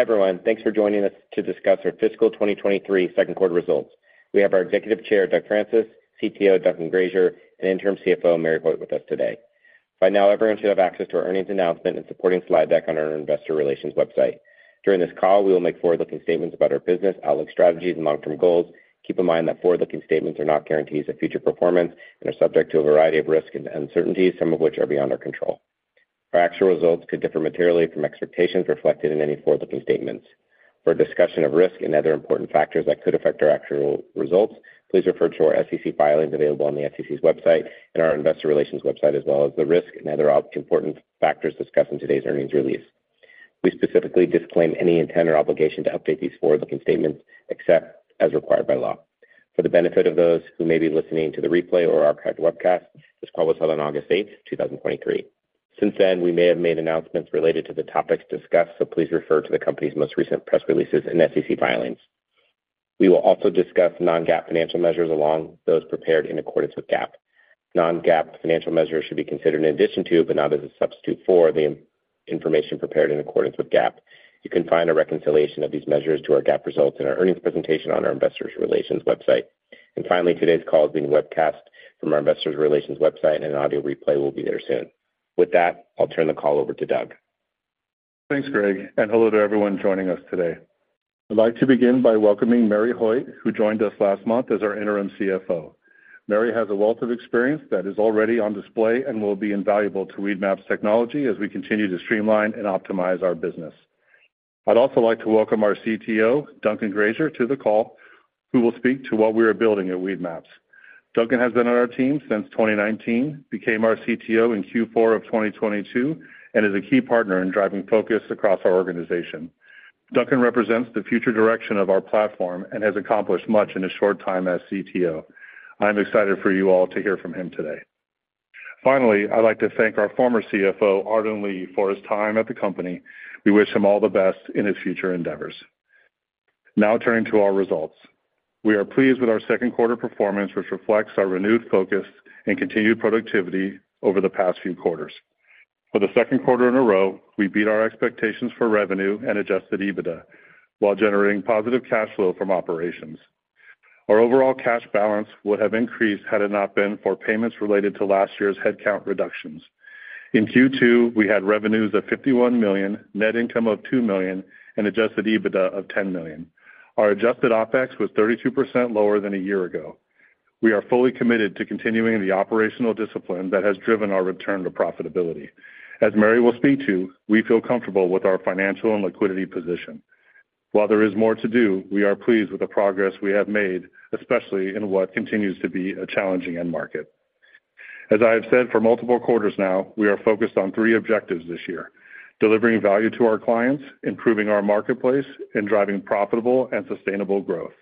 Everyone, thanks for joining us to discuss our fiscal 2023 second quarter results. We have our Executive Chair, Doug Francis, CTO, Duncan Grazier, and Interim CFO, Mary Hoitt, with us today. By now, everyone should have access to our earnings announcement and supporting slide deck on our investor relations website. During this call, we will make forward-looking statements about our business, outlook, strategies, and long-term goals. Keep in mind that forward-looking statements are not guarantees of future performance and are subject to a variety of risks and uncertainties, some of which are beyond our control. Our actual results could differ materially from expectations reflected in any forward-looking statements. For a discussion of risk and other important factors that could affect our actual results, please refer to our SEC filings available on the SEC's website and our investor relations website, as well as the risk and other important factors discussed in today's earnings release. We specifically disclaim any intent or obligation to update these forward-looking statements, except as required by law. For the benefit of those who may be listening to the replay or archived webcast, this call was held on August 8, 2023. Since then, we may have made announcements related to the topics discussed, so please refer to the company's most recent press releases and SEC filings. We will also discuss non-GAAP financial measures along those prepared in accordance with GAAP. Non-GAAP financial measures should be considered in addition to, but not as a substitute for, the information prepared in accordance with GAAP. You can find a reconciliation of these measures to our GAAP results in our earnings presentation on our investors relations website. Finally, today's call is being webcast from our investors relations website, and an audio replay will be there soon. With that, I'll turn the call over to Doug. Thanks, Greg, and hello to everyone joining us today. I'd like to begin by welcoming Mary Hoitt, who joined us last month as our interim CFO. Mary has a wealth of experience that is already on display and will be invaluable to WM Technology as we continue to streamline and optimize our business. I'd also like to welcome our CTO, Duncan Grazier, to the call, who will speak to what we are building at Weedmaps. Duncan has been on our team since 2019, became our CTO in Q4 of 2022, and is a key partner in driving focus across our organization. Duncan represents the future direction of our platform and has accomplished much in a short time as CTO. I'm excited for you all to hear from him today. Finally, I'd like to thank our former CFO, Arden Lee, for his time at the company. We wish him all the best in his future endeavors. Now turning to our results. We are pleased with our second-quarter performance, which reflects our renewed focus and continued productivity over the past few quarters. For the second quarter in a row, we beat our expectations for revenue and adjusted EBITDA, while generating positive cash flow from operations. Our overall cash balance would have increased had it not been for payments related to last year's headcount reductions. In Q2, we had revenues of $51 million, net income of $2 million, and adjusted EBITDA of $10 million. Our adjusted OpEx was 32% lower than a year ago. We are fully committed to continuing the operational discipline that has driven our return to profitability. As Mary will speak to, we feel comfortable with our financial and liquidity position. While there is more to do, we are pleased with the progress we have made, especially in what continues to be a challenging end market. As I have said for multiple quarters now, we are focused on three objectives this year: delivering value to our clients, improving our marketplace, and driving profitable and sustainable growth.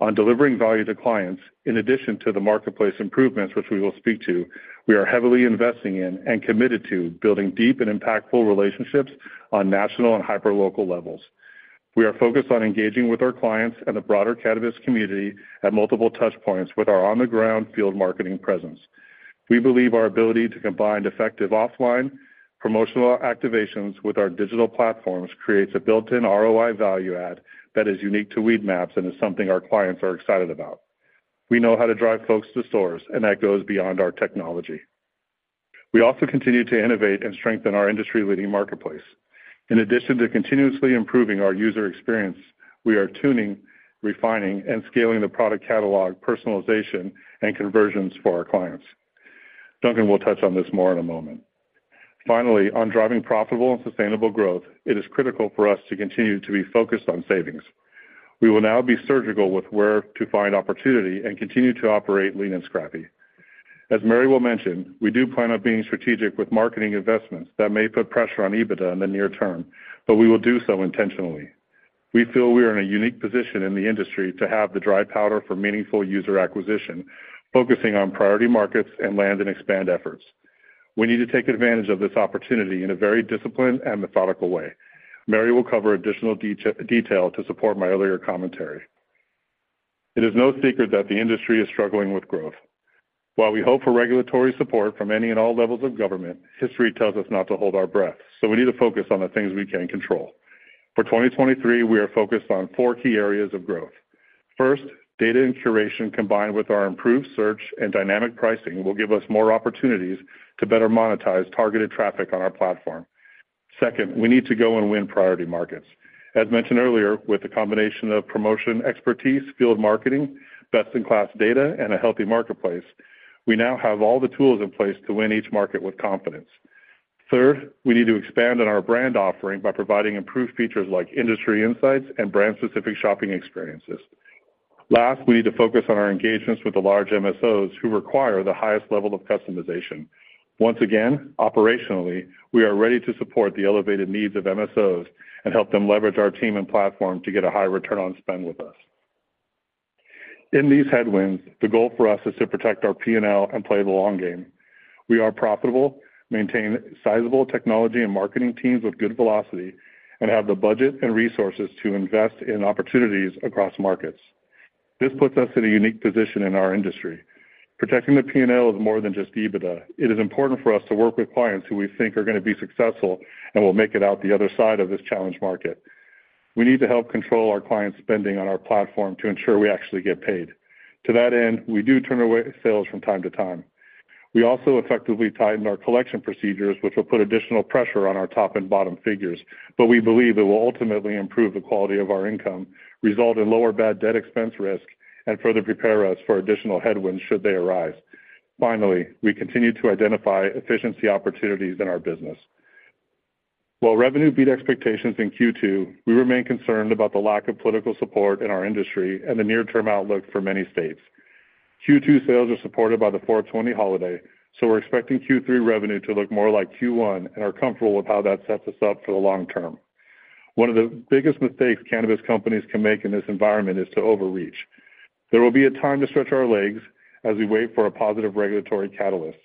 On delivering value to clients, in addition to the marketplace improvements, which we will speak to, we are heavily investing in and committed to building deep and impactful relationships on national and hyperlocal levels. We are focused on engaging with our clients and the broader cannabis community at multiple touch points with our on-the-ground field marketing presence. We believe our ability to combine effective offline promotional activations with our digital platforms creates a built-in ROI value add that is unique to Weedmaps and is something our clients are excited about. We know how to drive folks to stores. That goes beyond our technology. We also continue to innovate and strengthen our industry-leading marketplace. In addition to continuously improving our user experience, we are tuning, refining, and scaling the product catalog, personalization, and conversions for our clients. Duncan will touch on this more in a moment. Finally, on driving profitable and sustainable growth, it is critical for us to continue to be focused on savings. We will now be surgical with where to find opportunity and continue to operate lean and scrappy. As Mary will mention, we do plan on being strategic with marketing investments that may put pressure on EBITDA in the near term, but we will do so intentionally. We feel we are in a unique position in the industry to have the dry powder for meaningful user acquisition, focusing on priority markets and land and expand efforts. We need to take advantage of this opportunity in a very disciplined and methodical way. Mary will cover additional details to support my earlier commentary. It is no secret that the industry is struggling with growth. While we hope for regulatory support from any and all levels of government, history tells us not to hold our breath, we need to focus on the things we can control. For 2023, we are focused on four key areas of growth. First, data and curation, combined with our improved search and dynamic pricing, will give us more opportunities to better monetize targeted traffic on our platform. Second, we need to go and win priority markets. As mentioned earlier, with a combination of promotion, expertise, field marketing, best-in-class data, and a healthy marketplace, we now have all the tools in place to win each market with confidence. We need to expand on our brand offering by providing improved features like industry insights and brand-specific shopping experiences. We need to focus on our engagements with the large MSOs who require the highest level of customization. Once again, operationally, we are ready to support the elevated needs of MSOs and help them leverage our team and platform to get a high return on spend with us. In these headwinds, the goal for us is to protect our P&L and play the long game. We are profitable, maintain sizable technology and marketing teams with good velocity, and have the budget and resources to invest in opportunities across markets. This puts us in a unique position in our industry. Protecting the P&L is more than just EBITDA. It is important for us to work with clients who we think are gonna be successful and will make it out the other side of this challenged market. We need to help control our clients' spending on our platform to ensure we actually get paid. To that end, we do turn away sales from time to time. We also effectively tightened our collection procedures, which will put additional pressure on our top and bottom figures, but we believe it will ultimately improve the quality of our income, result in lower bad debt expense risk, and further prepare us for additional headwinds should they arise. Finally, we continue to identify efficiency opportunities in our business. While revenue beat expectations in Q2, we remain concerned about the lack of political support in our industry and the near-term outlook for many states. Q2 sales are supported by the four-twenty holiday, we're expecting Q3 revenue to look more like Q1, and are comfortable with how that sets us up for the long term. One of the biggest mistakes cannabis companies can make in this environment is to overreach. There will be a time to stretch our legs as we wait for a positive regulatory catalyst.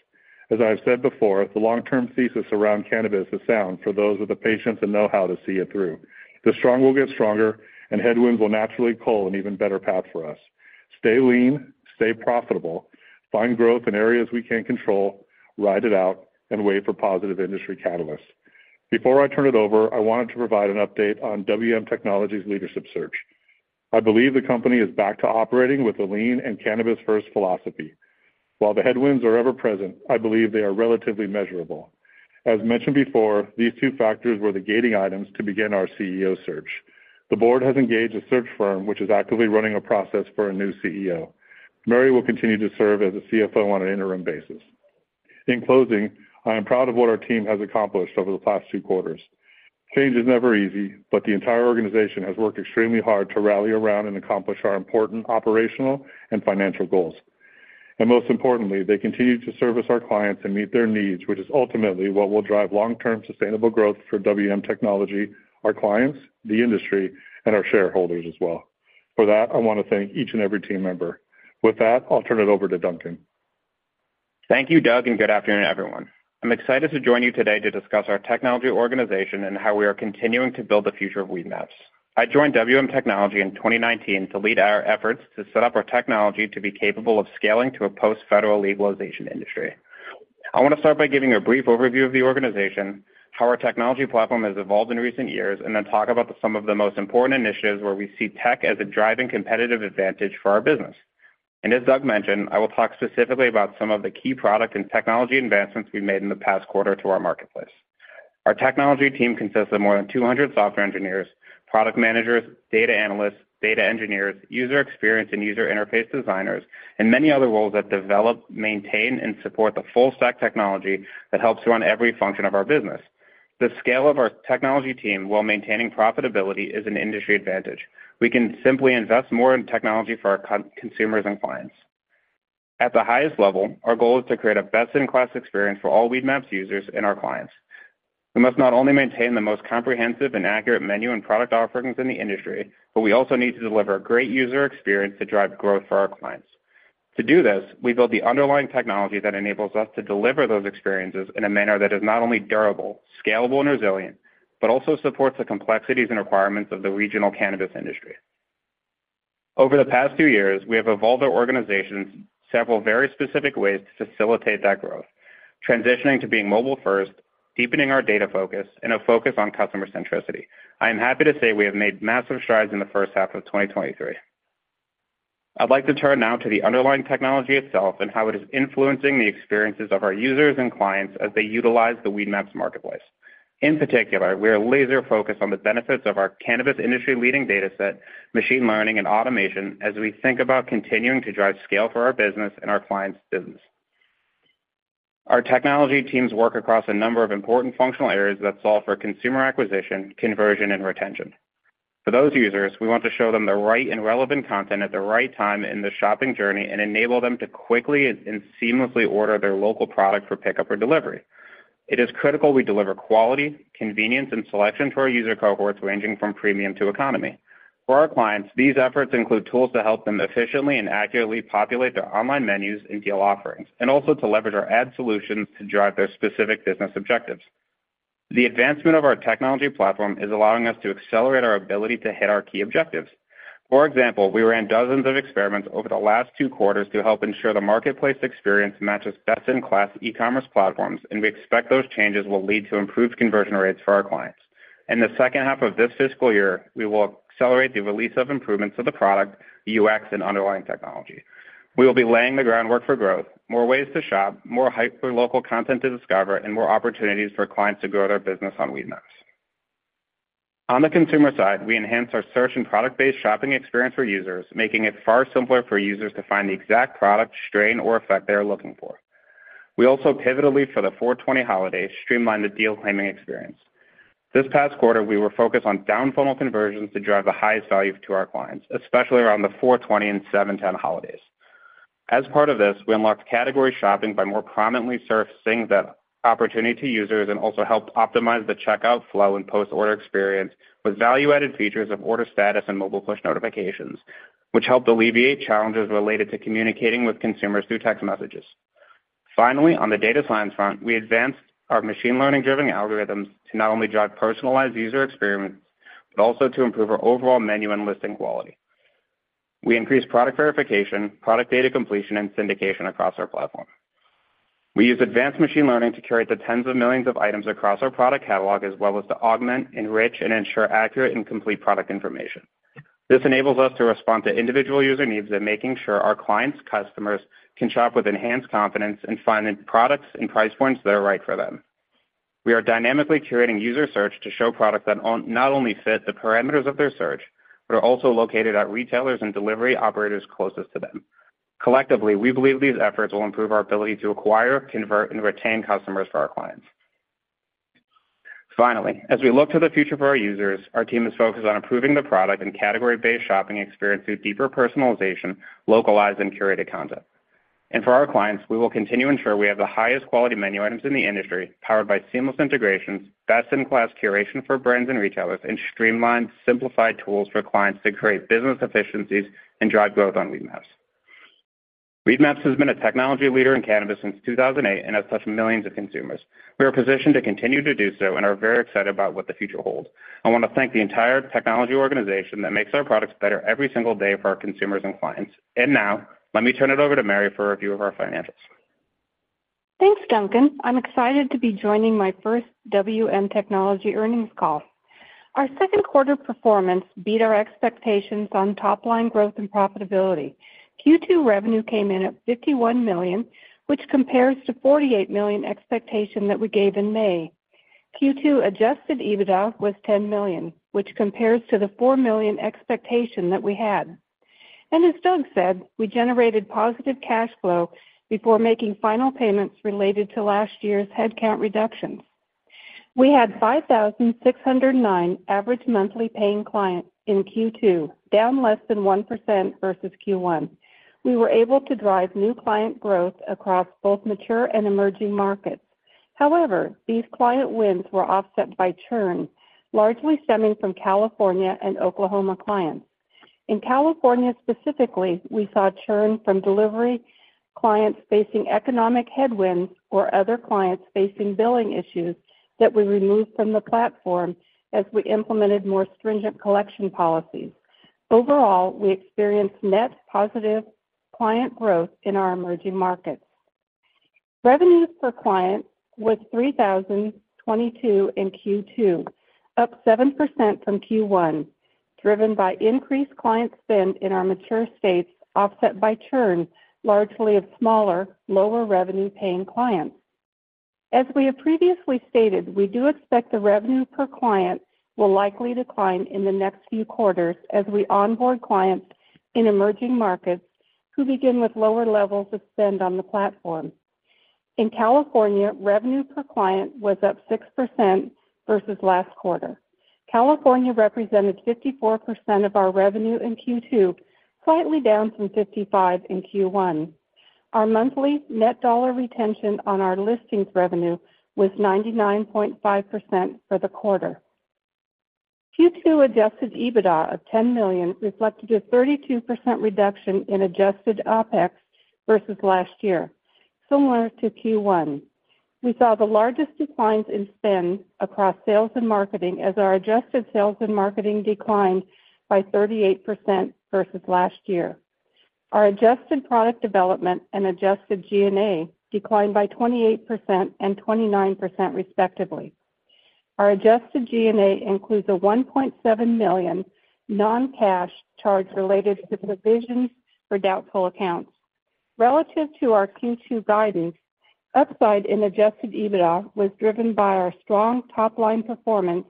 As I have said before, the long-term thesis around cannabis is sound for those with the patience and know-how to see it through. The strong will get stronger, and headwinds will naturally cull an even better path for us. Stay lean, stay profitable, find growth in areas we can control, ride it out, and wait for positive industry catalysts. Before I turn it over, I wanted to provide an update on WM Technology's leadership search. I believe the company is back to operating with a lean and cannabis-first philosophy. While the headwinds are ever present, I believe they are relatively measurable. As mentioned before, these two factors were the gating items to begin our CEO search. The board has engaged a search firm, which is actively running a process for a new CEO. Mary will continue to serve as the CFO on an interim basis. In closing, I am proud of what our team has accomplished over the past two quarters. Change is never easy, but the entire organization has worked extremely hard to rally around and accomplish our important operational and financial goals. Most importantly, they continue to service our clients and meet their needs, which is ultimately what will drive long-term sustainable growth for WM Technology, our clients, the industry, and our shareholders as well. For that, I want to thank each and every team member. With that, I'll turn it over to Duncan. Thank you, Doug, and good afternoon, everyone. I'm excited to join you today to discuss our technology organization and how we are continuing to build the future of Weedmaps. I joined WM Technology in 2019 to lead our efforts to set up our technology to be capable of scaling to a post-federal legalization industry. I want to start by giving a brief overview of the organization, how our technology platform has evolved in recent years, and then talk about some of the most important initiatives where we see tech as a driving competitive advantage for our business. As Doug mentioned, I will talk specifically about some of the key product and technology advancements we've made in the past quarter to our marketplace. Our technology team consists of more than 200 software engineers, product managers, data analysts, data engineers, user experience and user interface designers, and many other roles that develop, maintain, and support the full-stack technology that helps run every function of our business. The scale of our technology team, while maintaining profitability, is an industry advantage. We can simply invest more in technology for our consumers and clients. At the highest level, our goal is to create a best-in-class experience for all Weedmaps users and our clients. We must not only maintain the most comprehensive and accurate menu and product offerings in the industry, but we also need to deliver a great user experience to drive growth for our clients. To do this, we build the underlying technology that enables us to deliver those experiences in a manner that is not only durable, scalable, and resilient but also supports the complexities and requirements of the regional cannabis industry. Over the past two years, we have evolved our organization in several very specific ways to facilitate that growth, transitioning to being mobile-first, deepening our data focus, and a focus on customer centricity. I am happy to say we have made massive strides in the first half of 2023. I'd like to turn now to the underlying technology itself and how it is influencing the experiences of our users and clients as they utilize the Weedmaps marketplace. In particular, we are laser-focused on the benefits of our cannabis industry-leading data set, machine learning, and automation as we think about continuing to drive scale for our business and our clients' businesses. Our technology teams work across a number of important functional areas that solve for consumer acquisition, conversion, and retention. For those users, we want to show them the right and relevant content at the right time in the shopping journey and enable them to quickly and seamlessly order their local product for pickup or delivery. It is critical we deliver quality, convenience, and selection to our user cohorts, ranging from premium to economy. For our clients, these efforts include tools to help them efficiently and accurately populate their online menus and deal offerings, and also to leverage our ad solutions to drive their specific business objectives. The advancement of our technology platform is allowing us to accelerate our ability to hit our key objectives. For example, we ran dozens of experiments over the last two quarters to help ensure the marketplace experience matches best-in-class e-commerce platforms, and we expect those changes will lead to improved conversion rates for our clients. In the second half of this fiscal year, we will accelerate the release of improvements to the product, UX, and underlying technology. We will be laying the groundwork for growth, more ways to shop, more hyper-local content to discover, and more opportunities for clients to grow their business on Weedmaps. On the consumer side, we enhance our search and product-based shopping experience for users, making it far simpler for users to find the exact product, strain, or effect they are looking for. We also pivotally, for the 4/20 holiday, streamlined the deal claiming experience. This past quarter, we were focused on down-funnel conversions to drive the highest value to our clients, especially around the 4/20 and 7/10 holidays. As part of this, we unlocked category shopping by more prominently surfacing the opportunity to users and also helped optimize the checkout flow and post-order experience with value-added features of order status and mobile push notifications, which helped alleviate challenges related to communicating with consumers through text messages. Finally, on the data science front, we advanced our machine learning-driven algorithms to not only drive personalized user experience but also to improve our overall menu and listing quality. We increased product verification, product data completion, and syndication across our platform. We use advanced machine learning to curate the tens of millions of items across our product catalog, as well as to augment, enrich, and ensure accurate and complete product information. This enables us to respond to individual user needs and making sure our clients' customers can shop with enhanced confidence and find the products and price points that are right for them. We are dynamically curating user search to show products that not only fit the parameters of their search, but are also located at retailers and delivery operators closest to them. Collectively, we believe these efforts will improve our ability to acquire, convert, and retain customers for our clients. Finally, as we look to the future for our users, our team is focused on improving the product and category-based shopping experience through deeper personalization, localized, and curated content. For our clients, we will continue to ensure we have the highest quality menu items in the industry, powered by seamless integrations, best-in-class curation for brands and retailers, and streamlined, simplified tools for clients to create business efficiencies and drive growth on Weedmaps. Weedmaps has been a technology leader in cannabis since 2008 and has touched millions of consumers. We are positioned to continue to do so and are very excited about what the future holds. I want to thank the entire technology organization that makes our products better every single day for our consumers and clients. Now, let me turn it over to Mary for a review of our financials. Thanks, Duncan. I'm excited to be joining my first WM Technology earnings call. Our second-quarter performance beat our expectations on top-line growth and profitability. Q2 revenue came in at $51 million, which compares to $48 million expectation that we gave in May. Q2 adjusted EBITDA was $10 million, which compares to the $4 million expectation that we had. As Doug said, we generated positive cash flow before making final payments related to last year's headcount reductions. We had 5,609 average monthly paying clients in Q2, down less than 1% versus Q1. We were able to drive new client growth across both mature and emerging markets. These client wins were offset by churn, largely stemming from California and Oklahoma clients. In California, specifically, we saw churn from delivery, clients facing economic headwinds, or other clients facing billing issues that we removed from the platform as we implemented more stringent collection policies. Overall, we experienced net positive client growth in our emerging markets. Revenues per client was $3,022 in Q2, up 7% from Q1, driven by increased client spend in our mature states, offset by churn, largely of smaller, lower revenue-paying clients. We have previously stated, we do expect the revenue per client will likely decline in the next few quarters as we onboard clients in emerging markets who begin with lower levels of spend on the platform. In California, revenue per client was up 6% versus last quarter. California represented 54% of our revenue in Q2, slightly down from 55% in Q1. Our monthly net dollar retention on our listings revenue was 99.5% for the quarter. Q2 adjusted EBITDA of $10 million reflected a 32% reduction in adjusted OpEx versus last year, similar to Q1. We saw the largest declines in spend across sales and marketing, as our adjusted sales and marketing declined by 38% versus last year. Our adjusted product development and adjusted G&A declined by 28% and 29%, respectively. Our adjusted G&A includes a $1.7 million non-cash charge related to provisions for doubtful accounts. Relative to our Q2 guidance, upside in adjusted EBITDA was driven by our strong top-line performance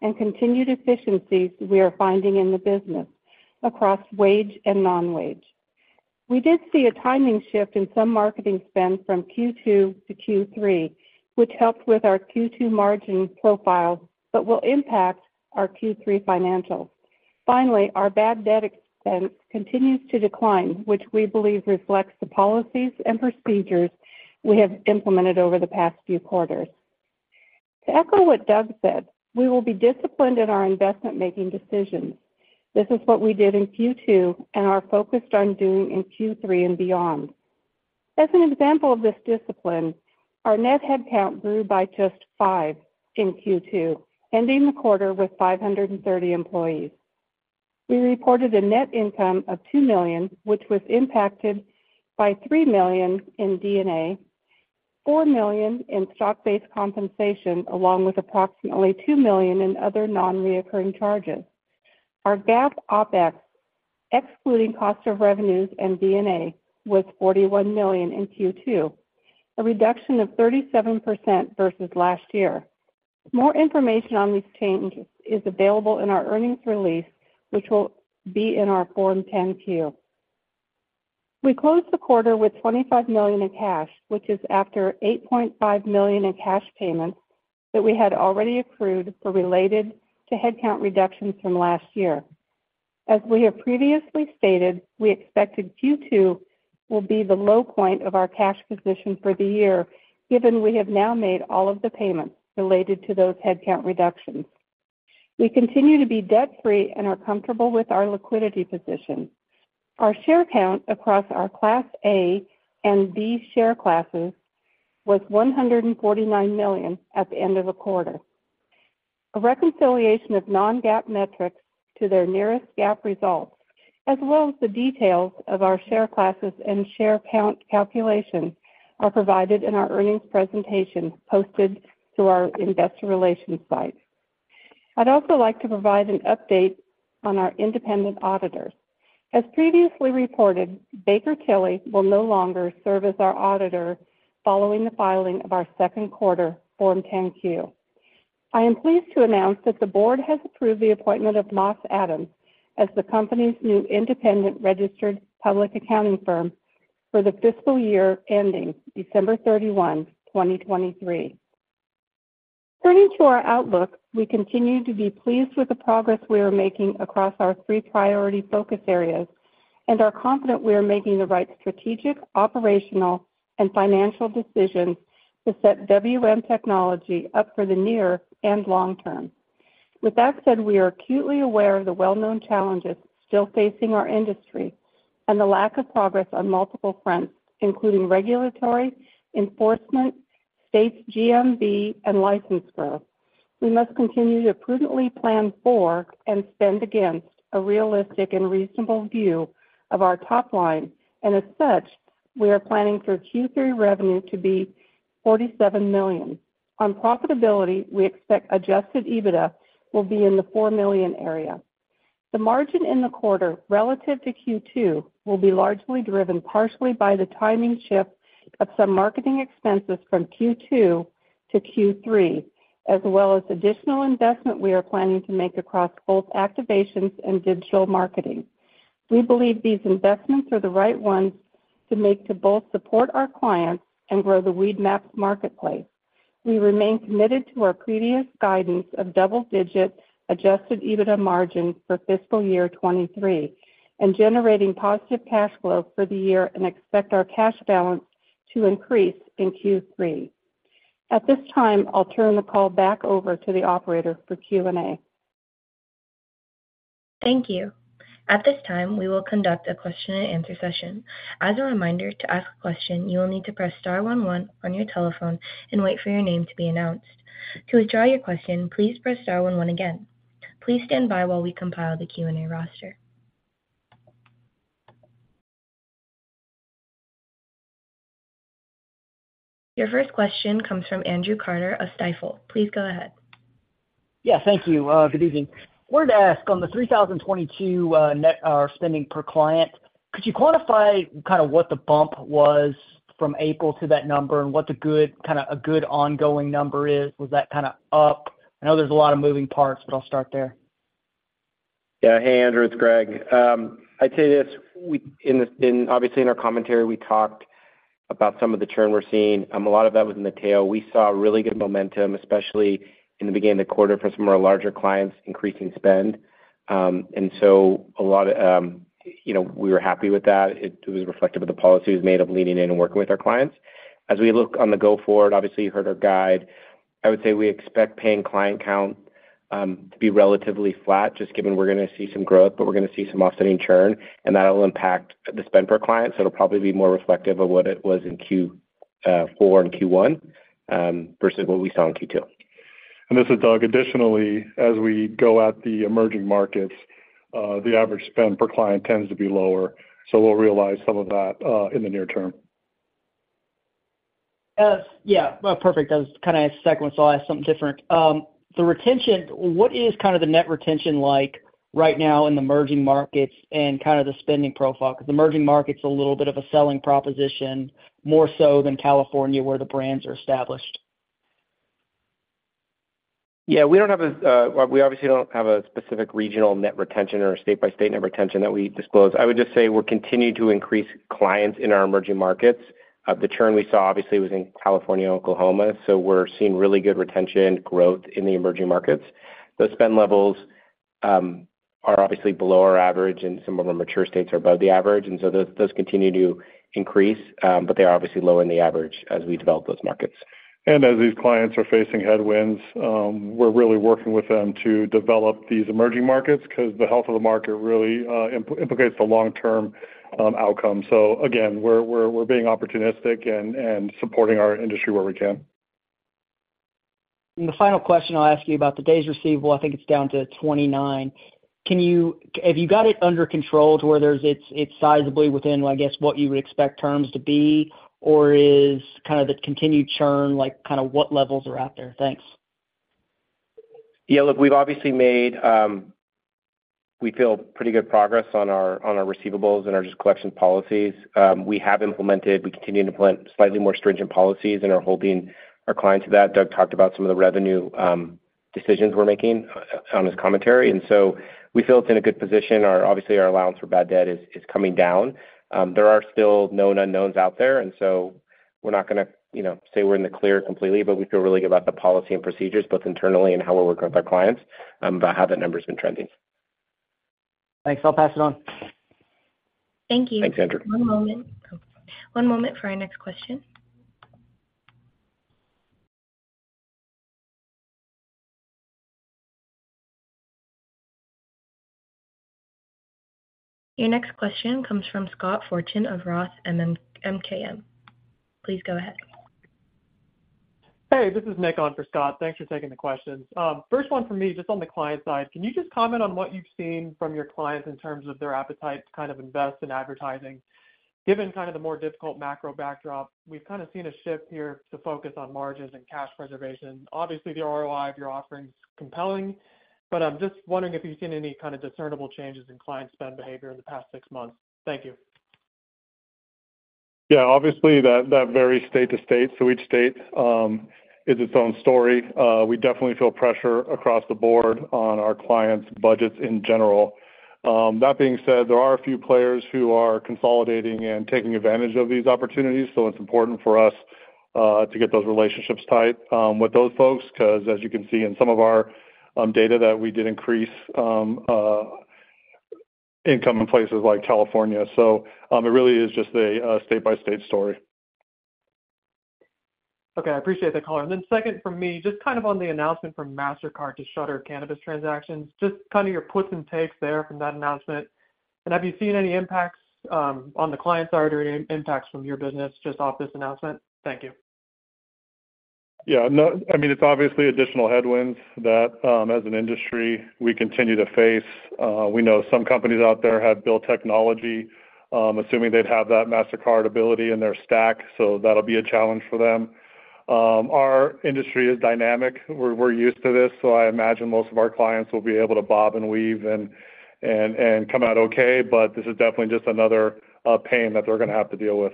and continued efficiencies we are finding in the business across wage and non-wage. We did see a timing shift in some marketing spend from Q2 to Q3, which helped with our Q2 margin profile, but will impact our Q3 financials. Finally, our bad debt expense continues to decline, which we believe reflects the policies and procedures we have implemented over the past few quarters. To echo what Doug said, we will be disciplined in our investment-making decisions. This is what we did in Q2, and are focused on doing in Q3 and beyond. As an example of this discipline, our net headcount grew by just five in Q2, ending the quarter with 530 employees. We reported a net income of $2 million, which was impacted by $3 million in D&A, $4 million in stock-based compensation, along with approximately $2 million in other non-reoccurring charges. Our GAAP OpEx, excluding cost of revenues and D&A, was $41 million in Q2, a reduction of 37% versus last year. More information on these changes is available in our earnings release, which will be in our Form 10-Q. We closed the quarter with $25 million in cash, which is after $8.5 million in cash payments that we had already accrued for related to headcount reductions from last year. As we have previously stated, we expected Q2 will be the low point of our cash position for the year, given we have now made all of the payments related to those headcount reductions. We continue to be debt-free and are comfortable with our liquidity position. Our share count across our Class A and Class B share classes was 149 million at the end of the quarter. A reconciliation of non-GAAP metrics to their nearest GAAP results, as well as the details of our share classes and share count calculation, are provided in our earnings presentation posted to our investor relations site. I'd also like to provide an update on our independent auditors. As previously reported, Baker Tilly will no longer serve as our auditor following the filing of our second quarter Form 10-Q. I am pleased to announce that the board has approved the appointment of Moss Adams as the company's new independent registered public accounting firm for the fiscal year ending December 31, 2023. Turning to our outlook, we continue to be pleased with the progress we are making across our three priority focus areas and are confident we are making the right strategic, operational, and financial decisions to set WM Technology up for the near and long term. With that said, we are acutely aware of the well-known challenges still facing our industry and the lack of progress on multiple fronts, including regulatory, enforcement, state GMV, and license growth. We must continue to prudently plan for and spend against a realistic and reasonable view of our top line, and as such, we are planning for Q3 revenue to be $47 million. On profitability, we expect adjusted EBITDA will be in the $4 million area. The margin in the quarter relative to Q2 will be largely driven partially by the timing shift of some marketing expenses from Q2 to Q3, as well as additional investment we are planning to make across both activations and digital marketing. We believe these investments are the right ones to make to both support our clients and grow the Weedmaps marketplace. We remain committed to our previous guidance of double-digit adjusted EBITDA margin for fiscal year 2023 and generating positive cash flow for the year, and expect our cash balance to increase in Q3. At this time, I'll turn the call back over to the operator for Q&A. Thank you. At this time, we will conduct a question-and-answer session. As a reminder, to ask a question, you will need to press star one one on your telephone and wait for your name to be announced. To withdraw your question, please press star one one again. Please stand by while we compile the Q&A roster. Your first question comes from Andrew Carter of Stifel. Please go ahead. Yeah, thank you. Good evening. Wanted to ask, on the $3,022 net spending per client, could you quantify kind of what the bump was from April to that number and what the good, kind of a good ongoing number is? Was that kind of up? I know there's a lot of moving parts, but I'll start there. Yeah. Hey, Andrew, it's Greg. I'd say this, in this, obviously, in our commentary, we talked about some of the churn we're seeing. A lot of that was in the tail. We saw really good momentum, especially in the beginning of the quarter, from some of our larger clients increasing spend. A lot of, you know, we were happy with that. It was reflective of the policies made of leaning in and working with our clients. As we look on the go forward, obviously, you heard our guide. I would say we expect paying client count to be relatively flat, just given we're gonna see some growth, but we're gonna see some offsetting churn, and that'll impact the spend per client. It'll probably be more reflective of what it was in Q4 and Q1, versus what we saw in Q2. This is Doug. Additionally, as we go at the emerging markets, the average spend per client tends to be lower, so we'll realize some of that in the near term. Yeah, well, perfect. That was kind of his second one, so I'll ask something different. The retention, what is kind of the net retention like right now in the emerging markets, and kind of the spending profile? Because the emerging market's a little bit of a selling proposition, more so than California, where the brands are established. Yeah, we don't have a, we obviously don't have a specific regional net retention or state-by-state net retention that we disclose. I would just say we're continuing to increase clients in our emerging markets. The churn we saw obviously was in California and Oklahoma, so we're seeing really good retention growth in the emerging markets. The spend levels are obviously below our average, and some of our mature states are above the average, and so those continue to increase, but they're obviously low in the average as we develop those markets. As these clients are facing headwinds, we're really working with them to develop these emerging markets because the health of the market really im- implicates the long-term outcome. Again, we're, we're, we're being opportunistic and, and supporting our industry where we can. The final question I'll ask you about the days receivable, I think it's down to 29. Have you got it under control to where there's, it's sizably within, I guess, what you would expect terms to be? Or is kind of the continued churn, like, kind of what levels are out there? Thanks. Yeah, look, we've obviously made, we feel pretty good progress on our receivables and our just collection policies. We have implemented, we continue to implement slightly more stringent policies and are holding our clients to that. Doug talked about some of the revenue decisions we're making on his commentary, and so we feel it's in a good position. Obviously, our allowance for bad debt is, is coming down. There are still known unknowns out there, and so we're not gonna, you know, say we're in the clear completely, but we feel really good about the policy and procedures, both internally and how we're working with our clients, about how that number's been trending. Thanks. I'll pass it on. Thank you. Thanks, Andrew. One moment. One moment for our next question. Your next question comes from Scott Fortune of Roth MKM. Please go ahead. Hey, this is Nick on for Scott. Thanks for taking the questions. First one from me, just on the client side, can you just comment on what you've seen from your clients in terms of their appetite to kind of invest in advertising? Given kind of the more difficult macro backdrop, we've kind of seen a shift here to focus on margins and cash preservation. Obviously, the ROI of your offering is compelling, but I'm just wondering if you've seen any kind of discernible changes in client spend behavior in the past six months. Thank you. Obviously, that, that varies state to state, so each state is its own story. We definitely feel pressure across the board on our clients' budgets in general. That being said, there are a few players who are consolidating and taking advantage of these opportunities, so it's important for us to get those relationships tight with those folks, 'cause as you can see in some of our data, that we did increase income in places like California. It really is just a state-by-state story. Okay, I appreciate the color. Then second from me, just kind of on the announcement from Mastercard to shutter cannabis transactions, just kind of your puts and takes there from that announcement. Have you seen any impacts, on the client side or any impacts from your business just off this announcement? Thank you. Yeah, no. I mean, it's obviously additional headwinds that, as an industry, we continue to face. We know some companies out there have built technology, assuming they'd have that Mastercard ability in their stack, so that'll be a challenge for them. Our industry is dynamic. We're used to this, so I imagine most of our clients will be able to bob and weave and come out okay, but this is definitely just another pain that they're going to have to deal with.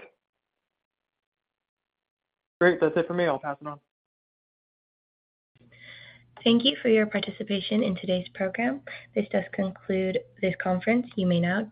Great. That's it for me. I'll pass it on. Thank you for your participation in today's program. This does conclude this conference. You may now disconnect.